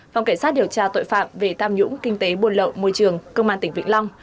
phòng cảnh sát điều tra tội phạm về tam nhũng kinh tế buôn lậu môi trường công an tỉnh vĩnh long